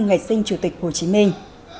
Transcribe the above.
ngày sinh chủ tịch hồ chí minh